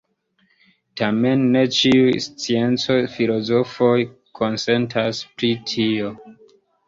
Tamen ne ĉiuj scienco-filozofoj konsentas pri tio.